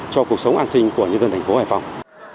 cho cuộc sống an sinh của nhân dân thành phố hải phòng